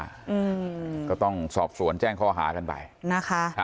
อืมก็ต้องสอบสวนแจ้งข้อหากันไปนะคะ